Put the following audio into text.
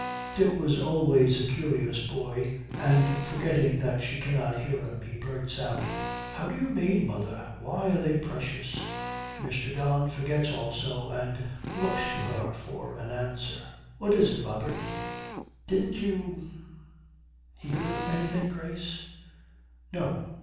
Dick was always a curious boy, and forgetting that she cannot hear him, he blurts out, 'How do you mean, mother? Why are they precious?' Mr. Don forgets also and looks to her for an answer. 'What is it, Robert?' 'Didn't you hear anything, Grace?' 'No.